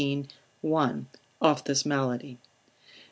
1,) of this malady.